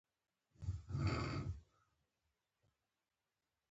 د چین، کیوبا او ویتنام تجربه هم عین شی وه.